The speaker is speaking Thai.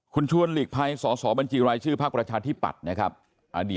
คุณชวนหลีกภัยสตรบรรจีรายชื่อภาคประชาที่ปรัสนะครับอดีต